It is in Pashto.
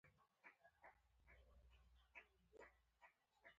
مرکزي بانکونه او د مالیې وزارتونه مهم رول لوبوي